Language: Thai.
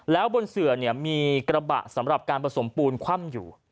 แล้วบนเสือเนี่ยมีกระบะสำหรับการผสมปูนคว่ำอยู่